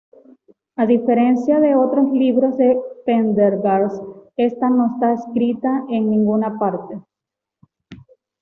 A diferencia de otros libros de Pendergast, esta no esta inscrita en ninguna trilogía.